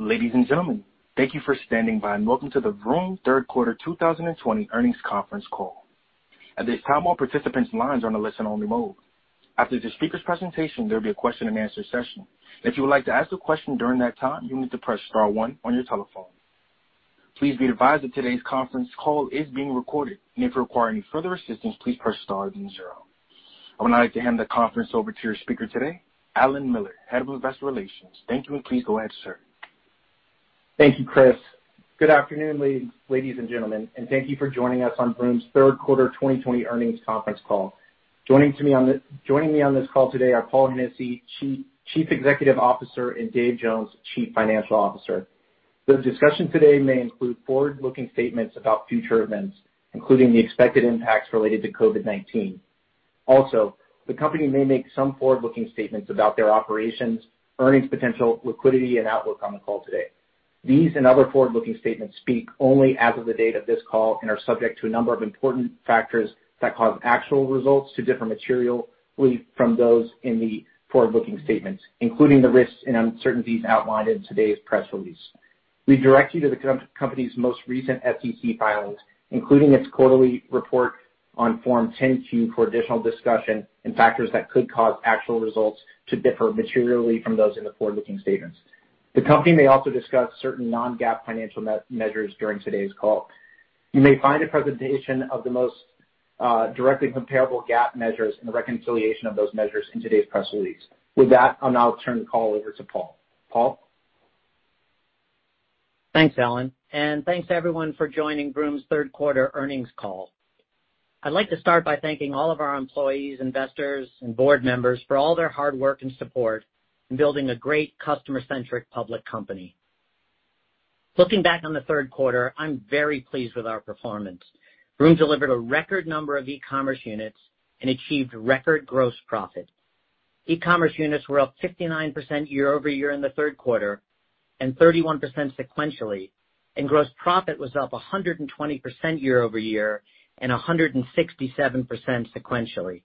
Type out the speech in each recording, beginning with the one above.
Ladies and gentlemen, thank you for standing by and welcome to the Vroom Third Quarter 2020 Earnings Conference Call. At this time, all participants' lines are in a listen-only mode. After the speaker's presentation, there will be a question-and-answer session. If you would like to ask a question during that time, you'll need to press star one on your telephone. Please be advised that today's conference call is being recorded, and if you require any further assistance, please press star zero. I would now like to hand the conference over to your speaker today, Allen Miller, Head of Investor Relations. Thank you, and please go ahead, sir. Thank you, Chris. Good afternoon, ladies and gentlemen, and thank you for joining us on Vroom's Third Quarter 2020 Earnings Conference Call. Joining me on this call today are Paul Hennessy, Chief Executive Officer, and Dave Jones, Chief Financial Officer. The discussion today may include forward-looking statements about future events, including the expected impacts related to COVID-19. Also, the company may make some forward-looking statements about their operations, earnings potential, liquidity, and outlook on the call today. These and other forward-looking statements speak only as of the date of this call and are subject to a number of important factors that cause actual results to differ materially from those in the forward-looking statements, including the risks and uncertainties outlined in today's press release. We direct you to the company's most recent SEC filings, including its quarterly report on Form 10-Q for additional discussion and factors that could cause actual results to differ materially from those in the forward-looking statements. The company may also discuss certain non-GAAP financial measures during today's call. You may find a presentation of the most directly comparable GAAP measures and reconciliation of those measures in today's press release. With that, I'll now turn the call over to Paul. Paul? Thanks, Allen, and thanks to everyone for joining Vroom's third quarter earnings call. I'd like to start by thanking all of our employees, investors, and board members for all their hard work and support in building a great customer-centric public company. Looking back on the third quarter, I'm very pleased with our performance. Vroom delivered a record number of e-commerce units and achieved record gross profit. E-commerce units were up 59% year-over-year in the third quarter and 31% sequentially, and gross profit was up 120% year-over-year and 167% sequentially.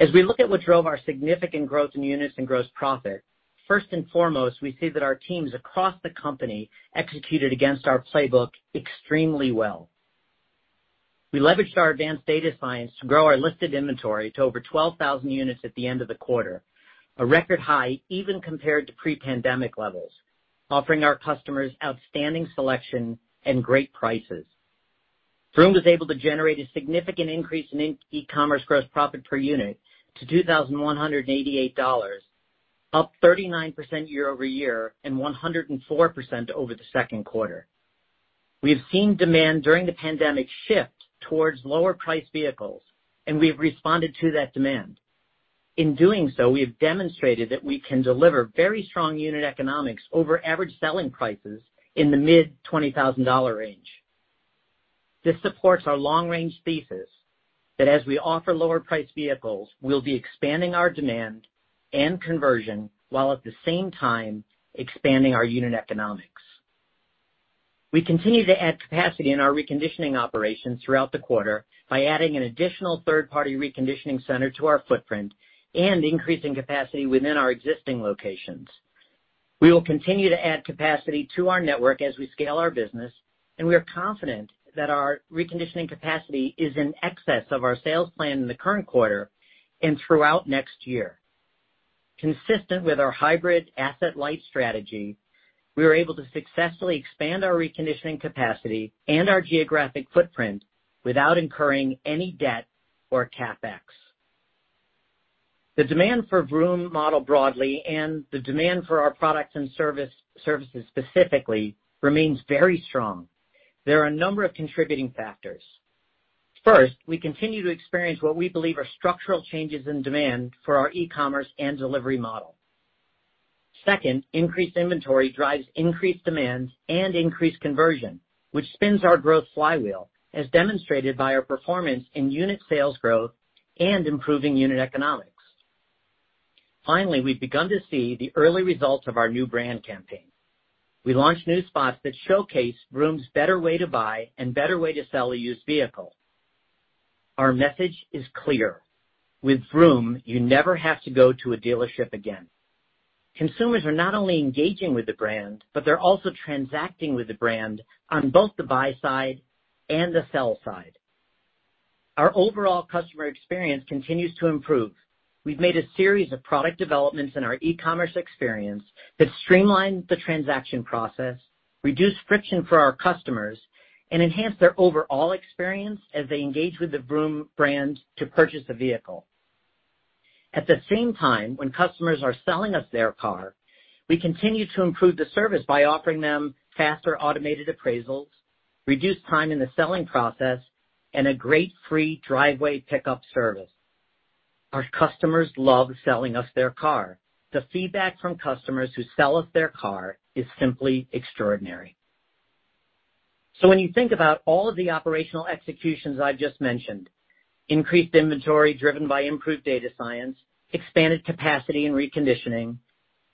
As we look at what drove our significant growth in units and gross profit, first and foremost, we see that our teams across the company executed against our playbook extremely well. We leveraged our advanced data science to grow our listed inventory to over 12,000 units at the end of the quarter, a record high even compared to pre-pandemic levels, offering our customers outstanding selection and great prices. Vroom was able to generate a significant increase in e-commerce gross profit per unit to $2,188, up 39% year-over-year and 104% over the second quarter. We have seen demand during the pandemic shift towards lower-priced vehicles, and we have responded to that demand. In doing so, we have demonstrated that we can deliver very strong unit economics over average selling prices in the mid-$20,000 range. This supports our long-range thesis that as we offer lower-priced vehicles, we'll be expanding our demand and conversion while at the same time expanding our unit economics. We continue to add capacity in our reconditioning operations throughout the quarter by adding an additional third-party reconditioning center to our footprint and increasing capacity within our existing locations. We will continue to add capacity to our network as we scale our business, and we are confident that our reconditioning capacity is in excess of our sales plan in the current quarter and throughout next year. Consistent with our hybrid asset-light strategy, we were able to successfully expand our reconditioning capacity and our geographic footprint without incurring any debt or CapEx. The demand for Vroom model broadly and the demand for our products and services specifically remains very strong. There are a number of contributing factors. First, we continue to experience what we believe are structural changes in demand for our e-commerce and delivery model. Second, increased inventory drives increased demand and increased conversion, which spins our growth flywheel, as demonstrated by our performance in unit sales growth and improving unit economics. Finally, we've begun to see the early results of our new brand campaign. We launched new spots that showcase Vroom's better way to buy and better way to sell a used vehicle. Our message is clear: with Vroom, you never have to go to a dealership again. Consumers are not only engaging with the brand, but they're also transacting with the brand on both the buy side and the sell side. Our overall customer experience continues to improve. We've made a series of product developments in our e-commerce experience that streamline the transaction process, reduce friction for our customers, and enhance their overall experience as they engage with the Vroom brand to purchase a vehicle. At the same time, when customers are selling us their car, we continue to improve the service by offering them faster automated appraisals, reduced time in the selling process, and a great free driveway pickup service. Our customers love selling us their car. The feedback from customers who sell us their car is simply extraordinary. So when you think about all of the operational executions I've just mentioned, increased inventory driven by improved data science, expanded capacity and reconditioning,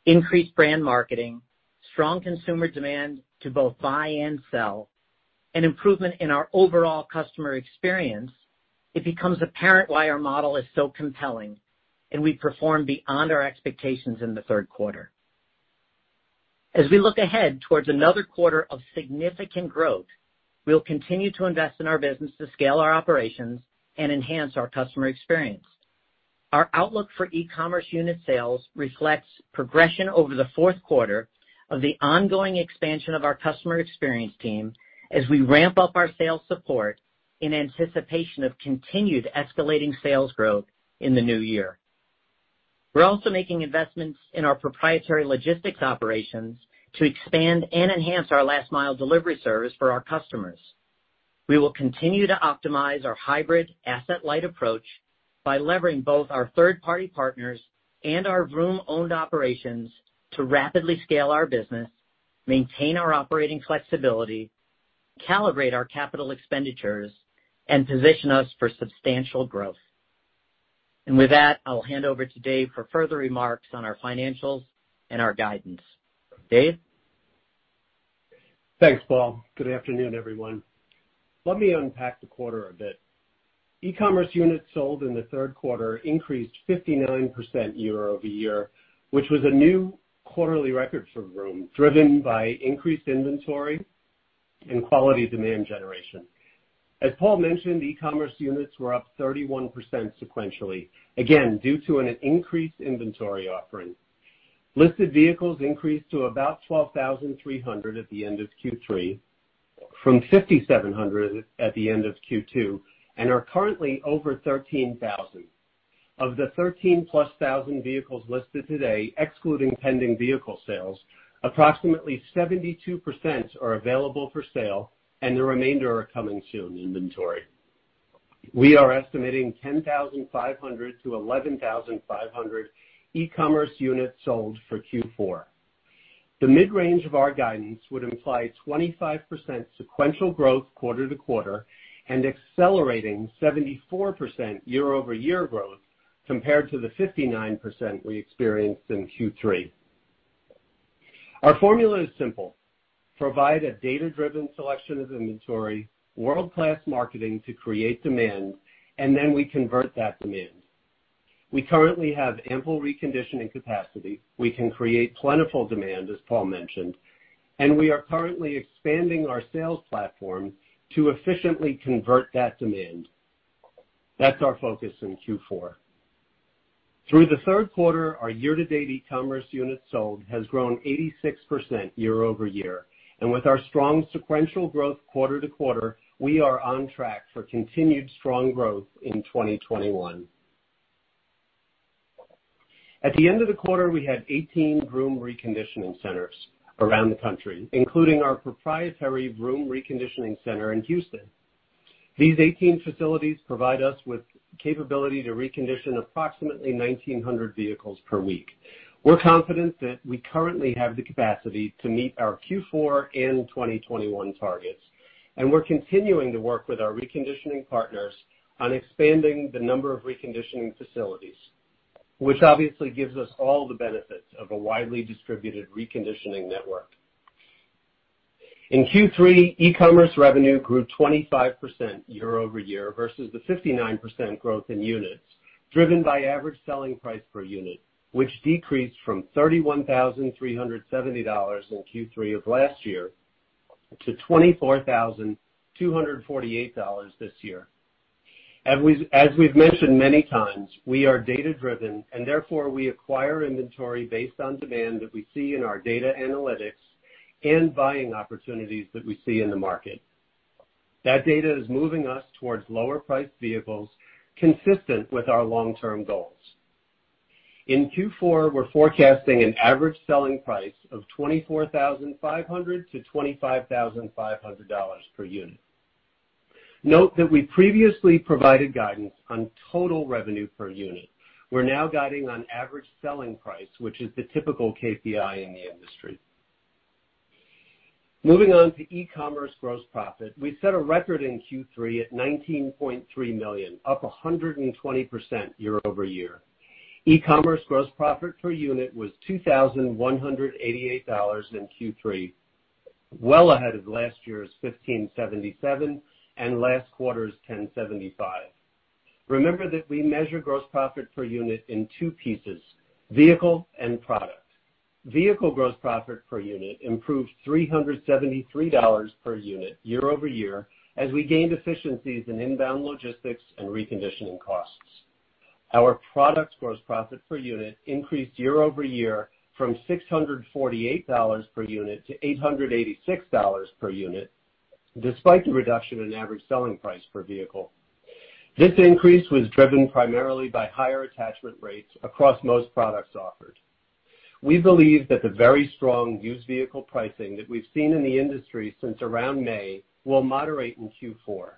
increased brand marketing, strong consumer demand to both buy and sell, and improvement in our overall customer experience, it becomes apparent why our model is so compelling, and we perform beyond our expectations in the third quarter. As we look ahead towards another quarter of significant growth, we'll continue to invest in our business to scale our operations and enhance our customer experience. Our outlook for e-commerce unit sales reflects progression over the fourth quarter of the ongoing expansion of our customer experience team as we ramp up our sales support in anticipation of continued escalating sales growth in the new year. We're also making investments in our proprietary logistics operations to expand and enhance our last-mile delivery service for our customers. We will continue to optimize our hybrid asset-light approach by leveraging both our third-party partners and our Vroom-owned operations to rapidly scale our business, maintain our operating flexibility, calibrate our capital expenditures, and position us for substantial growth. And with that, I'll hand over to Dave for further remarks on our financials and our guidance. Dave? Thanks, Paul. Good afternoon, everyone. Let me unpack the quarter a bit. E-commerce units sold in the third quarter increased 59% year-over-year, which was a new quarterly record for Vroom, driven by increased inventory and quality demand generation. As Paul mentioned, e-commerce units were up 31% sequentially, again, due to an increased inventory offering. Listed vehicles increased to about 12,300 at the end of Q3, from 5,700 at the end of Q2, and are currently over 13,000. Of the 13,000 plus vehicles listed today, excluding pending vehicle sales, approximately 72% are available for sale, and the remainder are coming soon in inventory. We are estimating 10,500 to 11,500 e-commerce units sold for Q4. The mid-range of our guidance would imply 25% sequential growth quarter to quarter and accelerating 74% year-over-year growth compared to the 59% we experienced in Q3. Our formula is simple: provide a data-driven selection of inventory, world-class marketing to create demand, and then we convert that demand. We currently have ample reconditioning capacity. We can create plentiful demand, as Paul mentioned, and we are currently expanding our sales platform to efficiently convert that demand. That's our focus in Q4. Through the third quarter, our year-to-date e-commerce units sold has grown 86% year-over-year, and with our strong sequential growth quarter to quarter, we are on track for continued strong growth in 2021. At the end of the quarter, we had 18 Vroom reconditioning centers around the country, including our proprietary Vroom reconditioning center in Houston. These 18 facilities provide us with the capability to recondition approximately 1,900 vehicles per week. We're confident that we currently have the capacity to meet our Q4 and 2021 targets, and we're continuing to work with our reconditioning partners on expanding the number of reconditioning facilities, which obviously gives us all the benefits of a widely distributed reconditioning network. In Q3, e-commerce revenue grew 25% year-over-year versus the 59% growth in units, driven by average selling price per unit, which decreased from $31,370 in Q3 of last year to $24,248 this year. As we've mentioned many times, we are data-driven, and therefore we acquire inventory based on demand that we see in our data analytics and buying opportunities that we see in the market. That data is moving us towards lower-priced vehicles consistent with our long-term goals. In Q4, we're forecasting an average selling price of $24,500-$25,500 per unit. Note that we previously provided guidance on total revenue per unit. We're now guiding on average selling price, which is the typical KPI in the industry. Moving on to e-commerce gross profit, we set a record in Q3 at $19.3 million, up 120% year-over-year. E-commerce gross profit per unit was $2,188 in Q3, well ahead of last year's $1,577 and last quarter's $1,075. Remember that we measure gross profit per unit in two pieces: vehicle and product. Vehicle gross profit per unit improved $373 per unit year-over-year as we gained efficiencies in inbound logistics and reconditioning costs. Our product gross profit per unit increased year-over-year from $648 per unit to $886 per unit, despite the reduction in average selling price per vehicle. This increase was driven primarily by higher attachment rates across most products offered. We believe that the very strong used vehicle pricing that we've seen in the industry since around May will moderate in Q4,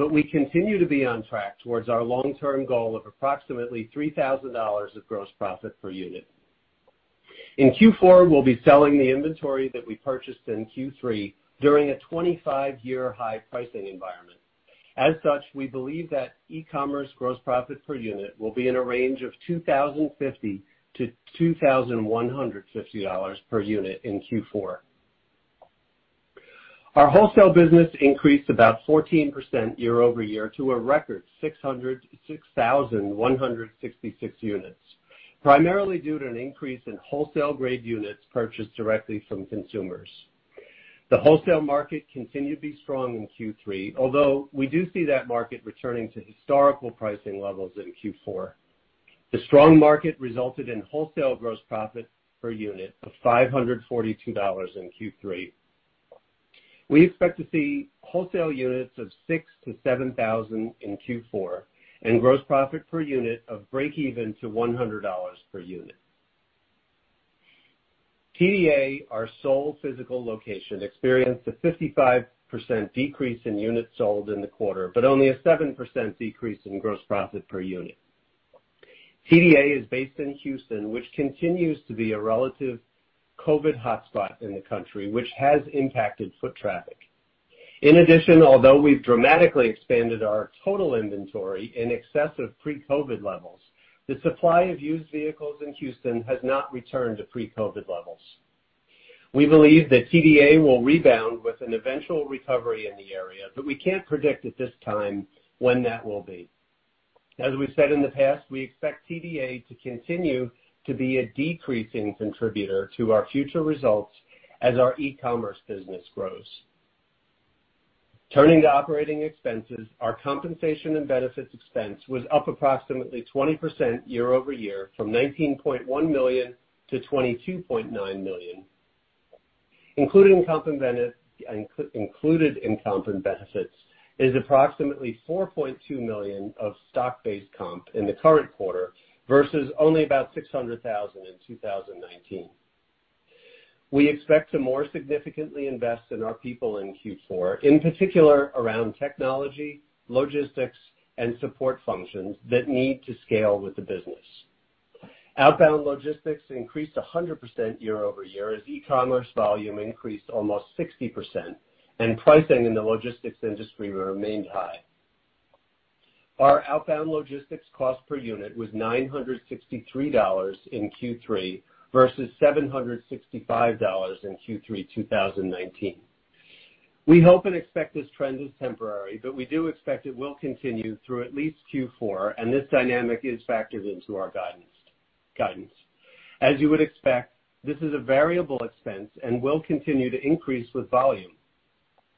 but we continue to be on track towards our long-term goal of approximately $3,000 of gross profit per unit. In Q4, we'll be selling the inventory that we purchased in Q3 during a 25-year high pricing environment. As such, we believe that e-commerce gross profit per unit will be in a range of $2,050-$2,150 per unit in Q4. Our wholesale business increased about 14% year-over-year to a record 6,166 units, primarily due to an increase in wholesale-grade units purchased directly from consumers. The wholesale market continued to be strong in Q3, although we do see that market returning to historical pricing levels in Q4. The strong market resulted in wholesale gross profit per unit of $542 in Q3. We expect to see wholesale units of 6,000 to 7,000 in Q4 and gross profit per unit of break-even to $100 per unit. TDA, our sole physical location, experienced a 55% decrease in units sold in the quarter, but only a 7% decrease in gross profit per unit. TDA is based in Houston, which continues to be a relative COVID hotspot in the country, which has impacted foot traffic. In addition, although we've dramatically expanded our total inventory in excess of pre-COVID levels, the supply of used vehicles in Houston has not returned to pre-COVID levels. We believe that TDA will rebound with an eventual recovery in the area, but we can't predict at this time when that will be. As we've said in the past, we expect TDA to continue to be a decreasing contributor to our future results as our e-commerce business grows. Turning to operating expenses, our compensation and benefits expense was up approximately 20% year-over-year from $19.1 million-$22.9 million. Included in comp and benefits is approximately $4.2 million of stock-based comp in the current quarter versus only about $600,000 in 2019. We expect to more significantly invest in our people in Q4, in particular around technology, logistics, and support functions that need to scale with the business. Outbound logistics increased 100% year-over-year as e-commerce volume increased almost 60%, and pricing in the logistics industry remained high. Our outbound logistics cost per unit was $963 in Q3 versus $765 in Q3 2019. We hope and expect this trend is temporary, but we do expect it will continue through at least Q4, and this dynamic is factored into our guidance. As you would expect, this is a variable expense and will continue to increase with volume.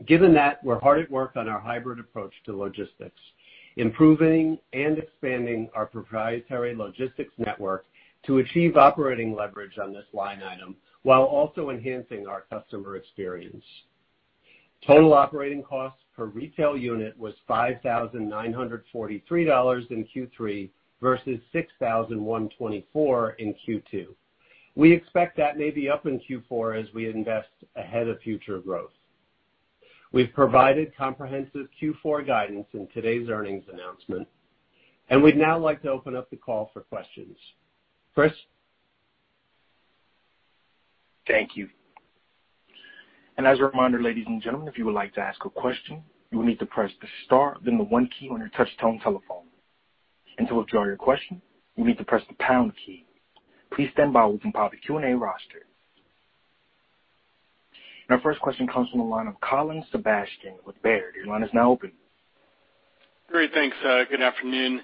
Given that, we're hard at work on our hybrid approach to logistics, improving and expanding our proprietary logistics network to achieve operating leverage on this line item while also enhancing our customer experience. Total operating cost per retail unit was $5,943 in Q3 versus $6,124 in Q2. We expect that may be up in Q4 as we invest ahead of future growth. We've provided comprehensive Q4 guidance in today's earnings announcement, and we'd now like to open up the call for questions. Chris? Thank you. And as a reminder, ladies and gentlemen, if you would like to ask a question, you will need to press the star, then the one key on your touch-tone telephone. And to withdraw your question, you'll need to press the pound key. Please stand by while we compile the Q&A roster. And our first question comes from the line of Colin Sebastian with Baird. Your line is now open. Great. Thanks. Good afternoon.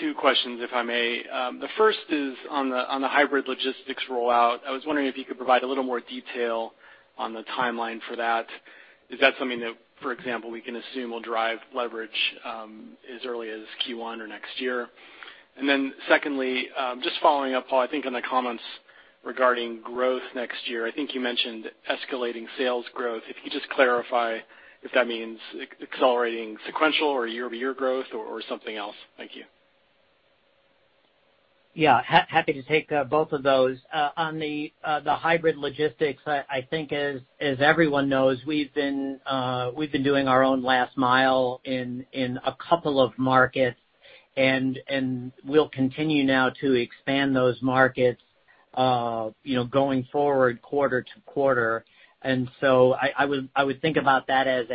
Two questions, if I may. The first is on the hybrid logistics rollout. I was wondering if you could provide a little more detail on the timeline for that. Is that something that, for example, we can assume will drive leverage as early as Q1 or next year? And then secondly, just following up, Paul, I think on the comments regarding growth next year, I think you mentioned escalating sales growth. If you could just clarify if that means accelerating sequential or year-over-year growth or something else. Thank you. Yeah. Happy to take both of those. On the hybrid logistics, I think as everyone knows, we've been doing our own last mile in a couple of markets, and we'll continue now to expand those markets going forward quarter to quarter. And so I would think about that as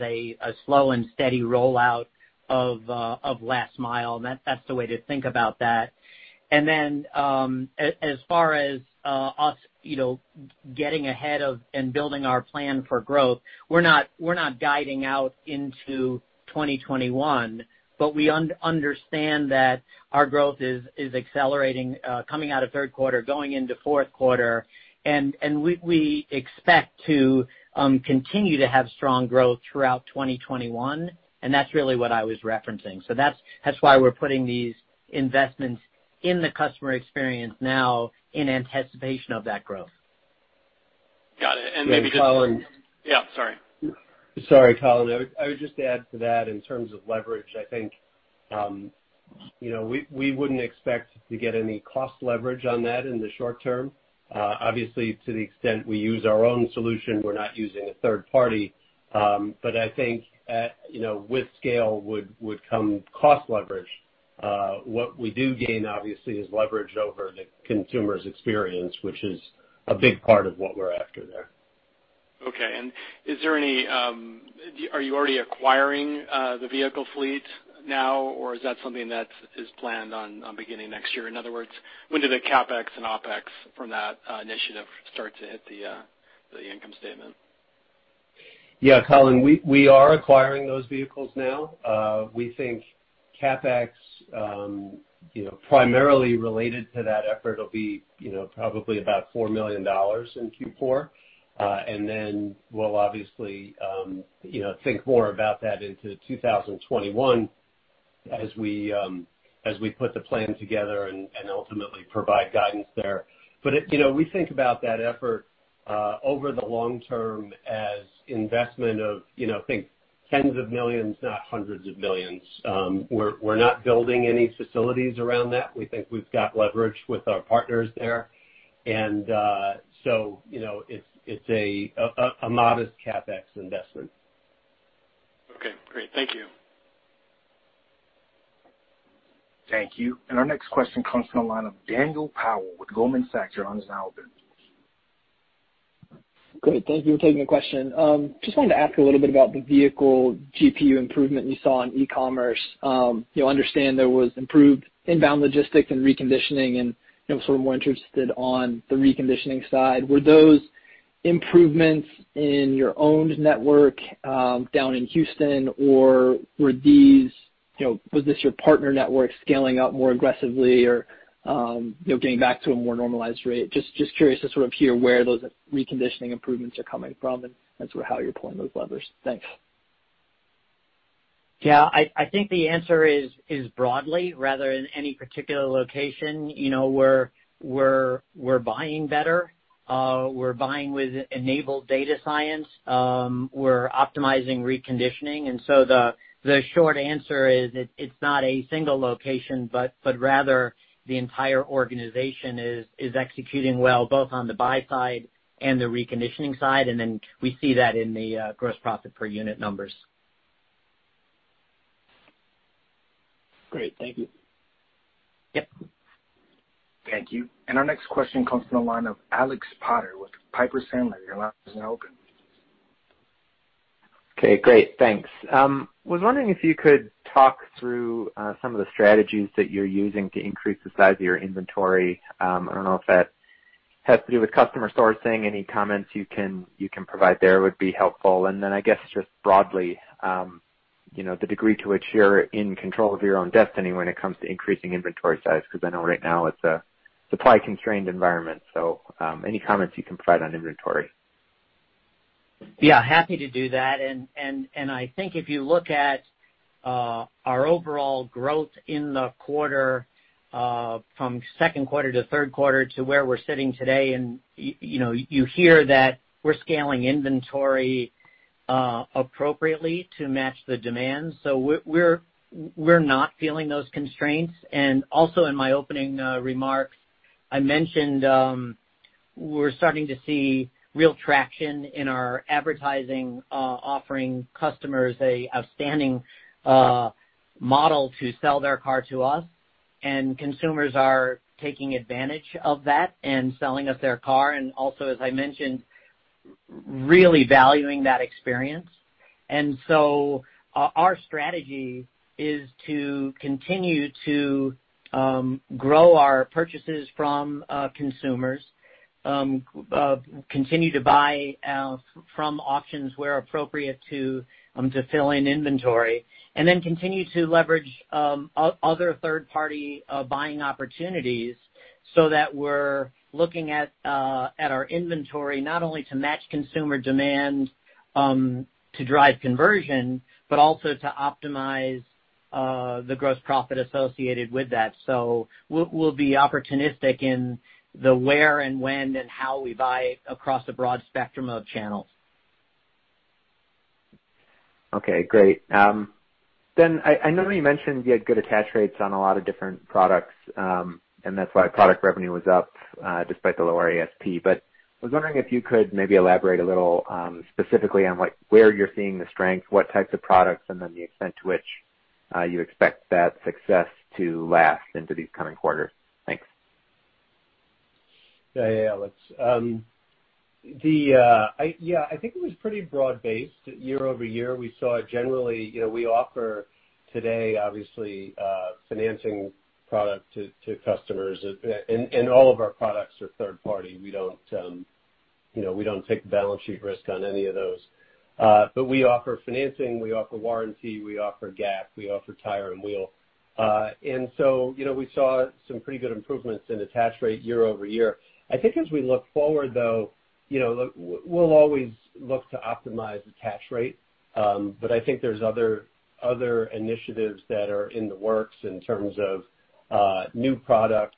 a slow and steady rollout of last mile. That's the way to think about that. And then as far as us getting ahead and building our plan for growth, we're not guiding out into 2021, but we understand that our growth is accelerating coming out of third quarter, going into fourth quarter, and we expect to continue to have strong growth throughout 2021, and that's really what I was referencing. So that's why we're putting these investments in the customer experience now in anticipation of that growth. Got it. And maybe just. Maybe, Colin. Yeah. Sorry. Sorry, Colin. I would just add to that in terms of leverage, I think we wouldn't expect to get any cost leverage on that in the short term. Obviously, to the extent we use our own solution, we're not using a third party, but I think with scale would come cost leverage. What we do gain, obviously, is leverage over the consumer's experience, which is a big part of what we're after there. Okay, and is there any, are you already acquiring the vehicle fleet now, or is that something that is planned on beginning next year? In other words, when do the CapEx and OpEx from that initiative start to hit the income statement? Yeah. Colin, we are acquiring those vehicles now. We think CapEx, primarily related to that effort, will be probably about $4 million in Q4, and then we'll obviously think more about that into 2021 as we put the plan together and ultimately provide guidance there. But we think about that effort over the long term as investment of, I think, tens of millions, not hundreds of millions. We're not building any facilities around that. We think we've got leverage with our partners there. And so it's a modest CapEx investment. Okay. Great. Thank you. Thank you. And our next question comes from the line of Daniel Powell with Goldman Sachs. Your line is now open. Great. Thank you for taking the question. Just wanted to ask a little bit about the vehicle GPU improvement you saw in e-commerce. Understand there was improved inbound logistics and reconditioning, and sort of more interested on the reconditioning side. Were those improvements in your own network down in Houston, or was this your partner network scaling up more aggressively or getting back to a more normalized rate? Just curious to sort of hear where those reconditioning improvements are coming from and sort of how you're pulling those levers. Thanks. Yeah. I think the answer is broadly, rather than any particular location. We're buying better. We're buying with enabled data science. We're optimizing reconditioning. And so the short answer is it's not a single location, but rather the entire organization is executing well, both on the buy side and the reconditioning side, and then we see that in the gross profit per unit numbers. Great. Thank you. Yep. Thank you. And our next question comes from the line of Alex Potter with Piper Sandler. Your line is now open. Okay. Great. Thanks. Was wondering if you could talk through some of the strategies that you're using to increase the size of your inventory. I don't know if that has to do with customer sourcing. Any comments you can provide there would be helpful. And then I guess just broadly, the degree to which you're in control of your own destiny when it comes to increasing inventory size because I know right now it's a supply-constrained environment. So any comments you can provide on inventory? Yeah. Happy to do that. And I think if you look at our overall growth in the quarter from second quarter to third quarter to where we're sitting today, and you hear that we're scaling inventory appropriately to match the demand. So we're not feeling those constraints. And also in my opening remarks, I mentioned we're starting to see real traction in our advertising, offering customers an outstanding model to sell their car to us, and consumers are taking advantage of that and selling us their car, and also, as I mentioned, really valuing that experience. And so our strategy is to continue to grow our purchases from consumers, continue to buy from auctions where appropriate to fill in inventory, and then continue to leverage other third-party buying opportunities so that we're looking at our inventory not only to match consumer demand to drive conversion, but also to optimize the gross profit associated with that. So we'll be opportunistic in the where and when and how we buy across a broad spectrum of channels. Okay. Great. Then I know you mentioned you had good attach rates on a lot of different products, and that's why product revenue was up despite the lower ASP, but I was wondering if you could maybe elaborate a little specifically on where you're seeing the strength, what types of products, and then the extent to which you expect that success to last into these coming quarters? Thanks. Yeah. Yeah. Alex. Yeah. I think it was pretty broad-based. Year-over-year, we saw generally we offer today, obviously, financing product to customers, and all of our products are third-party. We don't take balance sheet risk on any of those. But we offer financing. We offer warranty. We offer GAP. We offer tire and wheel. And so we saw some pretty good improvements in attach rate year-over-year. I think as we look forward, though, we'll always look to optimize attach rate, but I think there's other initiatives that are in the works in terms of new products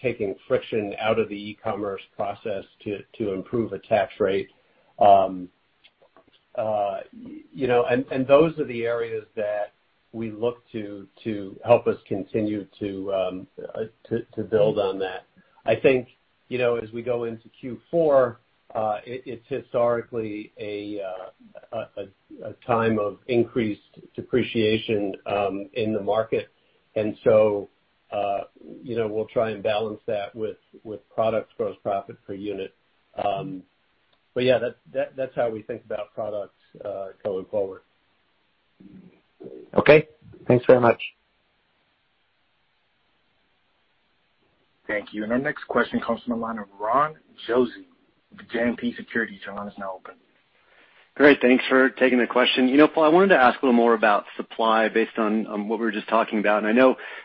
taking friction out of the e-commerce process to improve attach rate. And those are the areas that we look to help us continue to build on that. I think as we go into Q4, it's historically a time of increased depreciation in the market, and so we'll try and balance that with product gross profit per unit. But yeah, that's how we think about products going forward. Okay. Thanks very much. Thank you. And our next question comes from the line of Ron Josey with JMP Securities. Your line is now open. Great. Thanks for taking the question. Paul, I wanted to ask a little more about supply based on what we were just talking about. And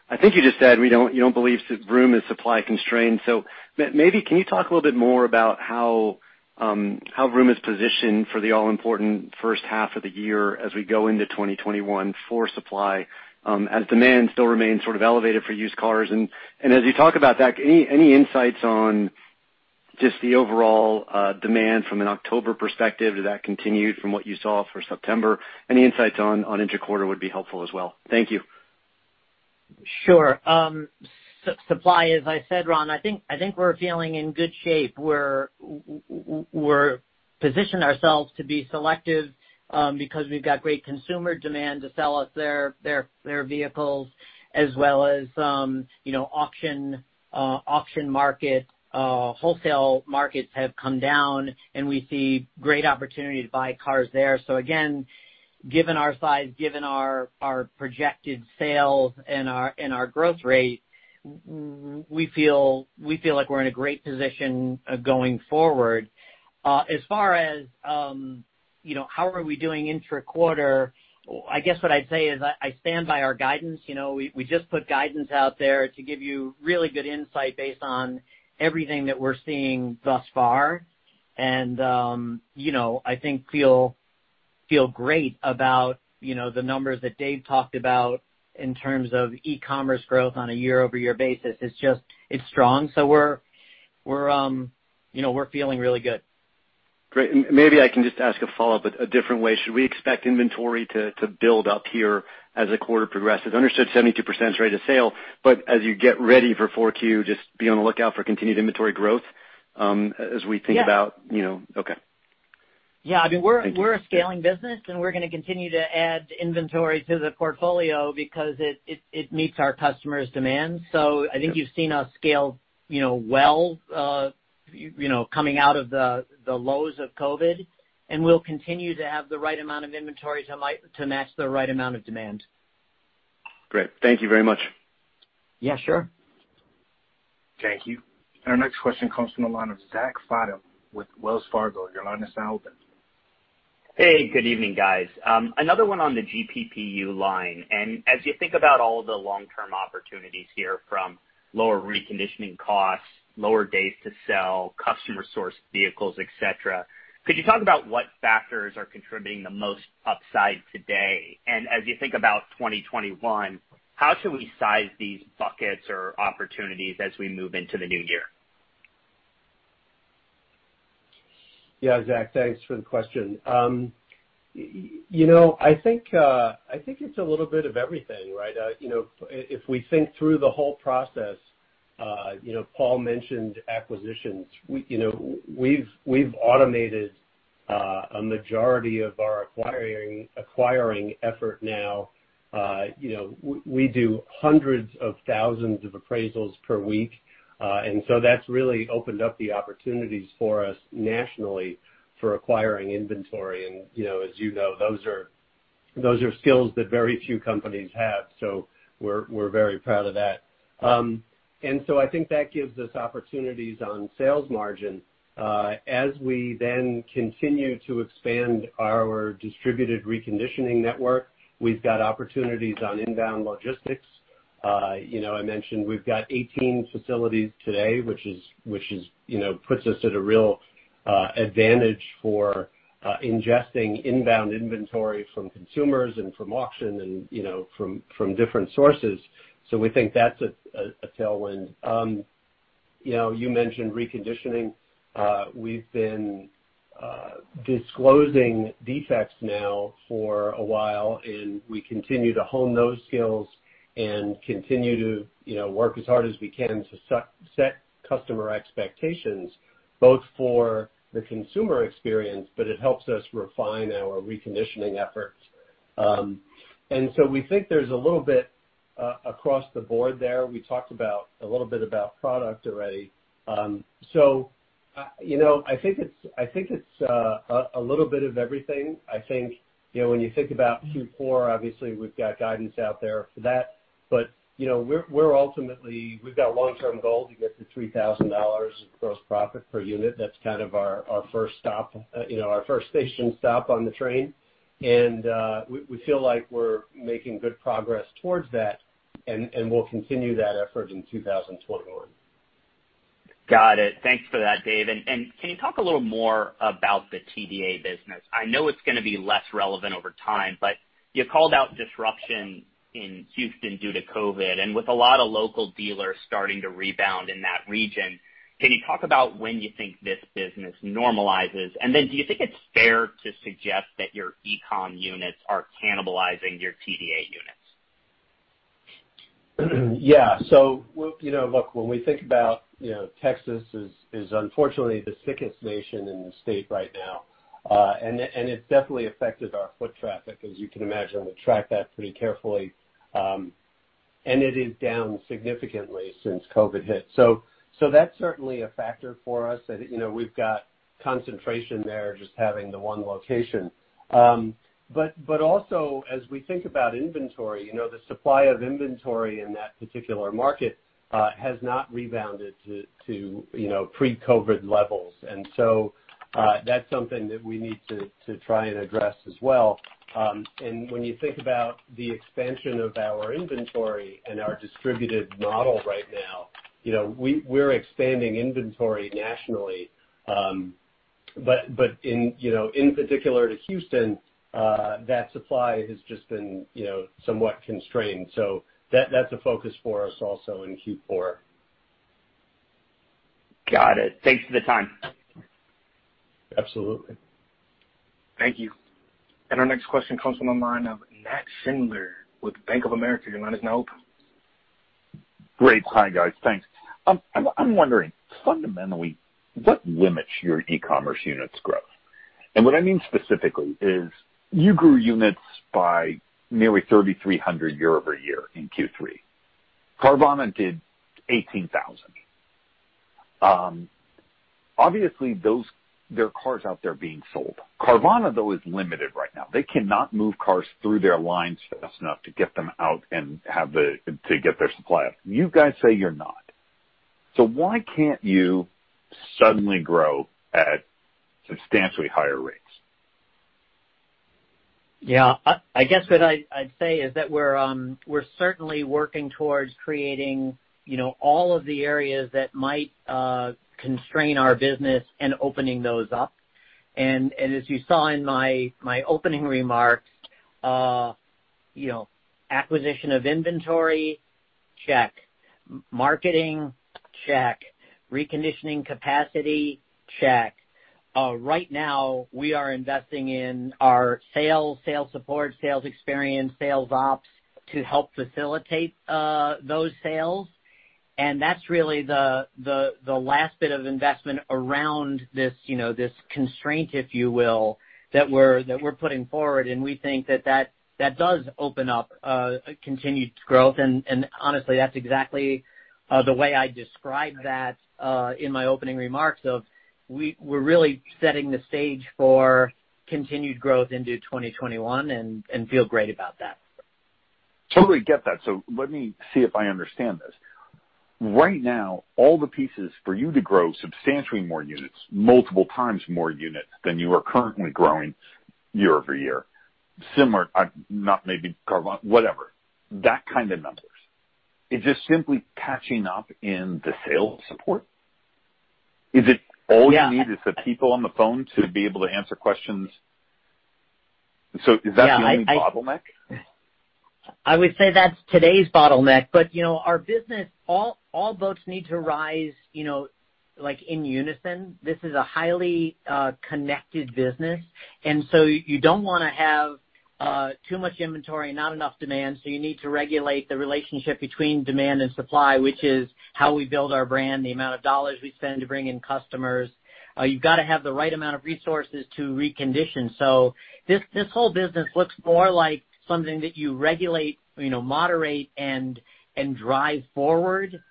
I think you just said you don't believe Vroom is supply-constrained. So maybe can you talk a little bit more about how Vroom is positioned for the all-important first half of the year as we go into 2021 for supply as demand still remains sort of elevated for used cars? And as you talk about that, any insights on just the overall demand from an October perspective? Did that continue from what you saw for September? Any insights on intra-quarter would be helpful as well. Thank you. Sure. Supply, as I said, Ron, I think we're feeling in good shape. We're positioning ourselves to be selective because we've got great consumer demand to sell us their vehicles, as well as auction market. Wholesale markets have come down, and we see great opportunity to buy cars there. So again, given our size, given our projected sales, and our growth rate, we feel like we're in a great position going forward. As far as how are we doing intra-quarter, I guess what I'd say is I stand by our guidance. We just put guidance out there to give you really good insight based on everything that we're seeing thus far. And I think feel great about the numbers that Dave talked about in terms of e-commerce growth on a year-over-year basis. It's strong, so we're feeling really good. Great. And maybe I can just ask a follow-up, but a different way. Should we expect inventory to build up here as the quarter progresses? Understood 72% rate of sale, but as you get ready for 4Q, just be on the lookout for continued inventory growth as we think about. You know. Okay. Yeah. I mean, we're a scaling business, and we're going to continue to add inventory to the portfolio because it meets our customers' demands. So I think you've seen us scale well coming out of the lows of COVID, and we'll continue to have the right amount of inventory to match the right amount of demand. Great. Thank you very much. Yeah. Sure. Thank you. And our next question comes from the line of Zach Fadem with Wells Fargo. Your line is now open. Hey. Good evening, guys. Another one on the GPPU line. And as you think about all the long-term opportunities here from lower reconditioning costs, lower days to sell, customer-sourced vehicles, etc., could you talk about what factors are contributing the most upside today? And as you think about 2021, how should we size these buckets or opportunities as we move into the new year? Yeah. Zach, thanks for the question. I think it's a little bit of everything, right? If we think through the whole process, Paul mentioned acquisitions. We've automated a majority of our acquiring effort now. We do hundreds of thousands of appraisals per week, and so that's really opened up the opportunities for us nationally for acquiring inventory. And as you know, those are skills that very few companies have. So we're very proud of that. And so I think that gives us opportunities on sales margin. As we then continue to expand our distributed reconditioning network, we've got opportunities on inbound logistics. I mentioned we've got 18 facilities today, which puts us at a real advantage for ingesting inbound inventory from consumers and from auction and from different sources. So we think that's a tailwind. You mentioned reconditioning. We've been disclosing defects now for a while, and we continue to hone those skills and continue to work as hard as we can to set customer expectations, both for the consumer experience, but it helps us refine our reconditioning efforts, and so we think there's a little bit across the board there. We talked a little bit about product already, so I think it's a little bit of everything. I think when you think about Q4, obviously, we've got guidance out there for that, but we've got a long-term goal to get to $3,000 gross profit per unit. That's kind of our first stop, our first station stop on the train, and we feel like we're making good progress towards that, and we'll continue that effort in 2021. Got it. Thanks for that, Dave. And can you talk a little more about the TDA business? I know it's going to be less relevant over time, but you called out disruption in Houston due to COVID and with a lot of local dealers starting to rebound in that region. Can you talk about when you think this business normalizes? And then do you think it's fair to suggest that your e-com units are cannibalizing your TDA units? Yeah. So look, when we think about Texas is unfortunately the sickest state in the nation right now, and it's definitely affected our foot traffic, as you can imagine. We track that pretty carefully, and it is down significantly since COVID hit. So that's certainly a factor for us. We've got concentration there just having the one location. But also, as we think about inventory, the supply of inventory in that particular market has not rebounded to pre-COVID levels. And so that's something that we need to try and address as well. And when you think about the expansion of our inventory and our distributed model right now, we're expanding inventory nationally, but in particular to Houston, that supply has just been somewhat constrained. So that's a focus for us also in Q4. Got it. Thanks for the time. Absolutely. Thank you. And our next question comes from the line of Nat Schindler with Bank of America. Your line is now open. Great. Hi, guys. Thanks. I'm wondering, fundamentally, what limits your e-commerce units' growth? And what I mean specifically is you grew units by nearly 3,300 year-over-year in Q3. Carvana did 18,000. Obviously, there are cars out there being sold. Carvana, though, is limited right now. They cannot move cars through their lines fast enough to get them out and to get their supply out. You guys say you're not. So why can't you suddenly grow at substantially higher rates? Yeah. I guess what I'd say is that we're certainly working towards creating all of the areas that might constrain our business and opening those up. And as you saw in my opening remarks, acquisition of inventory, check. Marketing, check. Reconditioning capacity, check. Right now, we are investing in our sales, sales support, sales experience, sales ops to help facilitate those sales. And that's really the last bit of investment around this constraint, if you will, that we're putting forward. And we think that that does open up continued growth. And honestly, that's exactly the way I described that in my opening remarks of we're really setting the stage for continued growth into 2021 and feel great about that. Totally get that. So let me see if I understand this. Right now, all the pieces for you to grow substantially more units, multiple times more units than you are currently growing year-over-year, similar - not maybe Carvana, whatever - that kind of numbers. Is this simply catching up in the sales support? Is it all you need is the people on the phone to be able to answer questions? So is that the only bottleneck? Yeah. I would say that's today's bottleneck. But our business, all boats need to rise in unison. This is a highly connected business. And so you don't want to have too much inventory, not enough demand. So you need to regulate the relationship between demand and supply, which is how we build our brand, the amount of dollars we spend to bring in customers. You've got to have the right amount of resources to recondition. So this whole business looks more like something that you regulate, moderate, and drive forward.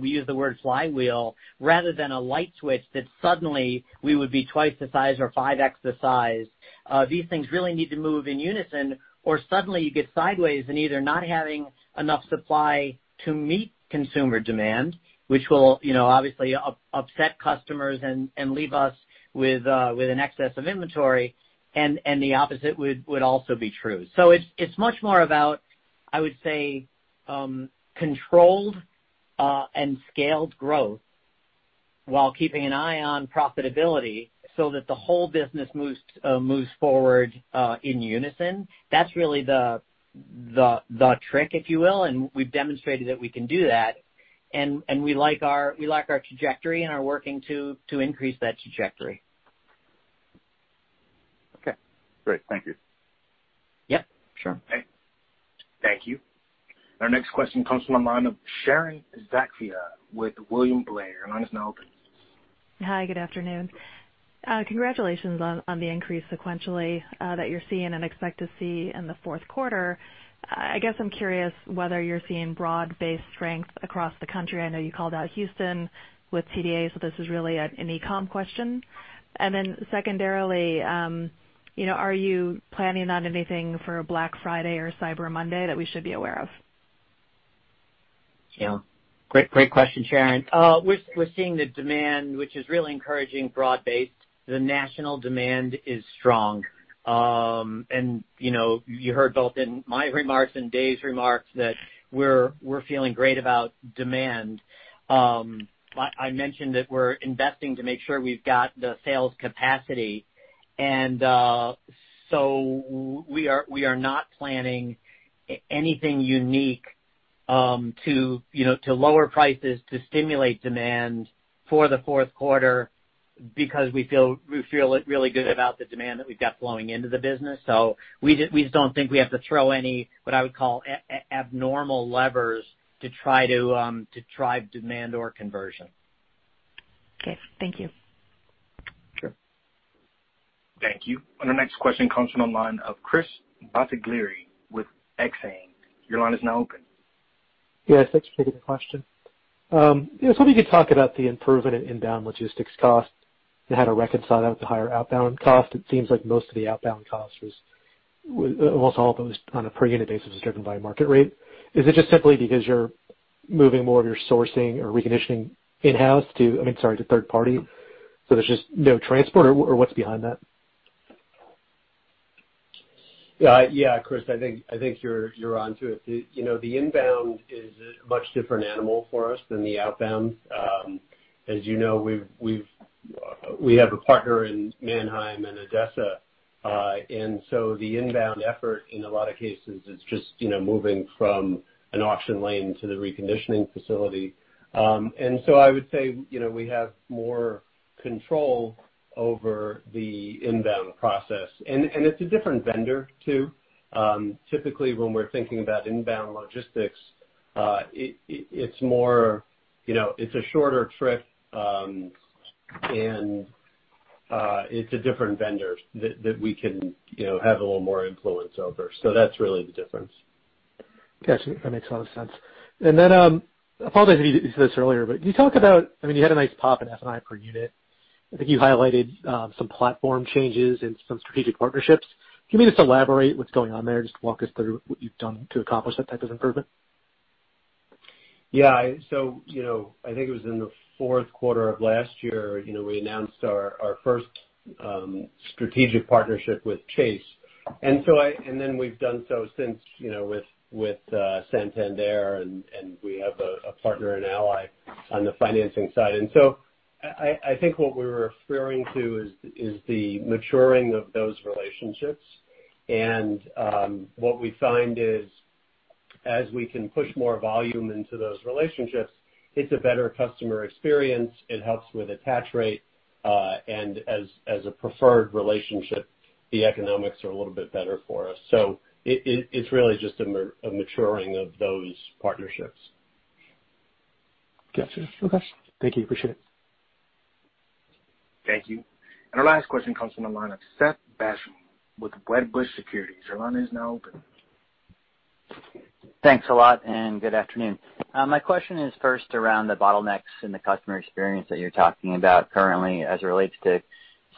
We use the word flywheel rather than a light switch that suddenly we would be twice the size or 5x the size. These things really need to move in unison, or suddenly you get sideways in either not having enough supply to meet consumer demand, which will obviously upset customers and leave us with an excess of inventory. The opposite would also be true. It's much more about, I would say, controlled and scaled growth while keeping an eye on profitability so that the whole business moves forward in unison. That's really the trick, if you will. We've demonstrated that we can do that. We like our trajectory and are working to increase that trajectory. Okay. Great. Thank you. Yep. Sure. Thank you. Our next question comes from the line of Sharon Zackfia with William Blair. Your line is now open. Hi. Good afternoon. Congratulations on the increase sequentially that you're seeing and expect to see in the fourth quarter. I guess I'm curious whether you're seeing broad-based strength across the country. I know you called out Houston with TDA, so this is really an e-com question. And then secondarily, are you planning on anything for Black Friday or Cyber Monday that we should be aware of? Yeah. Great question, Sharon. We're seeing the demand, which is really encouraging, broad-based. The national demand is strong, and you heard both in my remarks and Dave's remarks that we're feeling great about demand. I mentioned that we're investing to make sure we've got the sales capacity, and so we are not planning anything unique to lower prices to stimulate demand for the fourth quarter because we feel really good about the demand that we've got flowing into the business, so we just don't think we have to throw any what I would call abnormal levers to try to drive demand or conversion. Okay. Thank you. Sure. Thank you. And our next question comes from the line of Chris Bottiglieri with Exane BNP Paribas. Your line is now open. Yeah. Thanks for taking the question. I was hoping you could talk about the improvement in inbound logistics costs and how to reconcile that with the higher outbound cost. It seems like most of the outbound cost was almost all of it was on a per-unit basis was driven by market rate. Is it just simply because you're moving more of your sourcing or reconditioning in-house to, I mean, sorry, to third party? So there's just no transport, or what's behind that? Yeah. Yeah, Chris, I think you're onto it. The inbound is a much different animal for us than the outbound. As you know, we have a partner in Manheim and ADESA. And so the inbound effort, in a lot of cases, is just moving from an auction lane to the reconditioning facility. And so I would say we have more control over the inbound process. And it's a different vendor, too. Typically, when we're thinking about inbound logistics, it's a different vendor that we can have a little more influence over. So that's really the difference. Gotcha. That makes a lot of sense. And then I apologize if you said this earlier, but can you talk about, I mean, you had a nice pop in F&I per unit. I think you highlighted some platform changes and some strategic partnerships. Can you maybe just elaborate what's going on there? Just walk us through what you've done to accomplish that type of improvement. Yeah. So I think it was in the fourth quarter of last year we announced our first strategic partnership with Chase. And then we've done so since with Santander, and we have a partner and Ally on the financing side. And so I think what we were referring to is the maturing of those relationships. And what we find is, as we can push more volume into those relationships, it's a better customer experience. It helps with attach rate. And as a preferred relationship, the economics are a little bit better for us. So it's really just a maturing of those partnerships. Gotcha. Okay. Thank you. Appreciate it. Thank you. And our last question comes from the line of Seth Basham with Wedbush Securities. Your line is now open. Thanks a lot, and good afternoon. My question is first around the bottlenecks in the customer experience that you're talking about currently as it relates to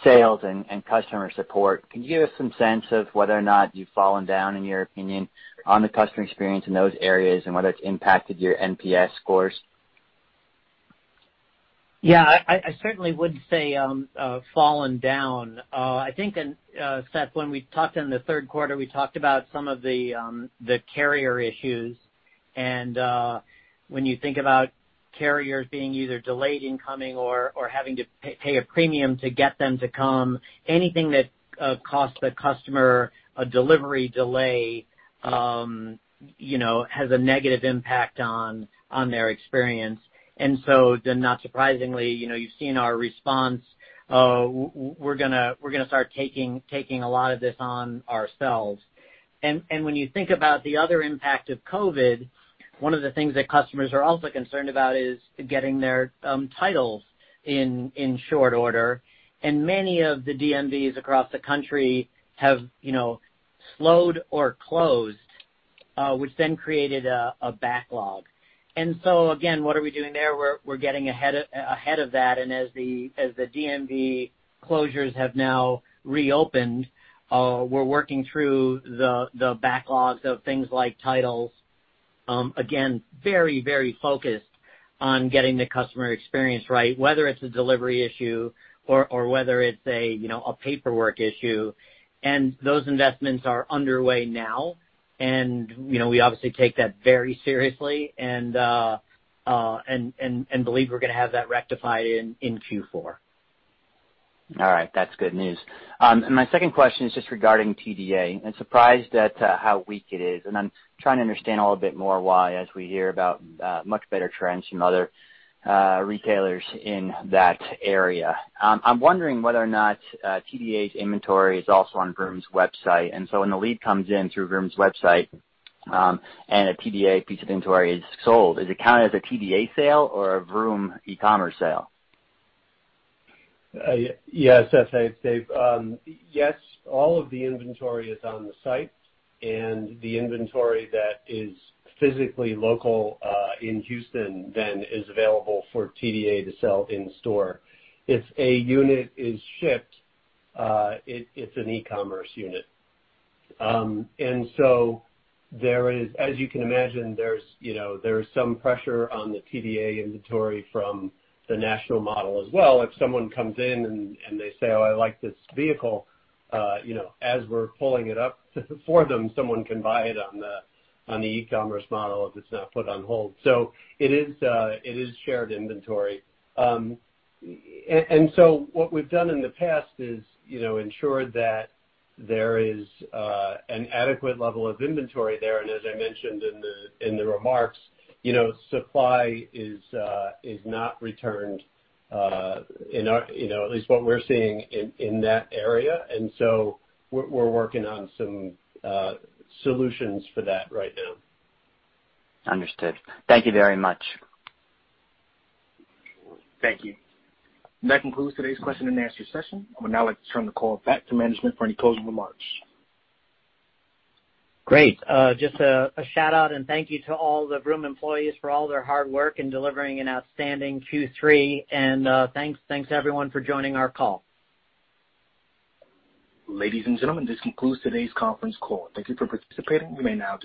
sales and customer support. Can you give us some sense of whether or not you've fallen down, in your opinion, on the customer experience in those areas and whether it's impacted your NPS scores? Yeah. I certainly wouldn't say fallen down. I think, Seth, when we talked in the third quarter, we talked about some of the carrier issues, and when you think about carriers being either delayed in coming or having to pay a premium to get them to come, anything that costs the customer a delivery delay has a negative impact on their experience, and so then, not surprisingly, you've seen our response. We're going to start taking a lot of this on ourselves, and when you think about the other impact of COVID, one of the things that customers are also concerned about is getting their titles in short order. And many of the DMVs across the country have slowed or closed, which then created a backlog, and so, again, what are we doing there? We're getting ahead of that. As the DMV closures have now reopened, we're working through the backlogs of things like titles. Again, very, very focused on getting the customer experience right, whether it's a delivery issue or whether it's a paperwork issue. Those investments are underway now. We obviously take that very seriously and believe we're going to have that rectified in Q4. All right. That's good news. And my second question is just regarding TDA. I'm surprised at how weak it is. And I'm trying to understand a little bit more why as we hear about much better trends from other retailers in that area. I'm wondering whether or not TDA's inventory is also on Vroom's website. And so when the lead comes in through Vroom's website and a TDA piece of inventory is sold, is it counted as a TDA sale or a Vroom e-commerce sale? Yeah, Seth, I'd say yes. All of the inventory is on the site. And the inventory that is physically local in Houston then is available for TDA to sell in store. If a unit is shipped, it's an e-commerce unit. And so, as you can imagine, there's some pressure on the TDA inventory from the national model as well. If someone comes in and they say, "Oh, I like this vehicle," as we're pulling it up for them, someone can buy it on the e-commerce model if it's not put on hold. So it is shared inventory. And so what we've done in the past is ensured that there is an adequate level of inventory there. And as I mentioned in the remarks, supply is not returned, at least what we're seeing in that area. And so we're working on some solutions for that right now. Understood. Thank you very much. Thank you. That concludes today's question and answer session. I would now like to turn the call back to management for any closing remarks. Great. Just a shout-out and thank you to all the Vroom employees for all their hard work in delivering an outstanding Q3, and thanks to everyone for joining our call. Ladies and gentlemen, this concludes today's conference call. Thank you for participating. You may now.